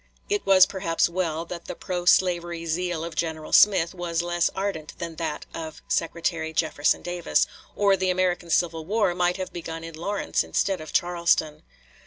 It was perhaps well that the pro slavery zeal of General Smith was less ardent than that of Secretary Jefferson Davis, or the American civil war might have begun in Lawrence instead of Charleston.